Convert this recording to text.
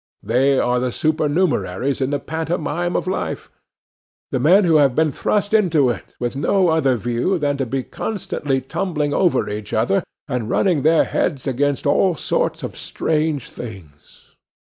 They are the supernumeraries in the pantomime of life; the men who have been thrust into it, with no other view than to be constantly tumbling over each other, and running their heads against all sorts of strange things.